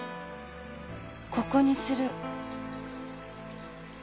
ここにする。